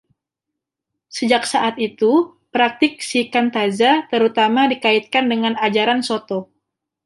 Sejak saat itu, praktik shikantaza terutama dikaitkan dengan ajaran Soto.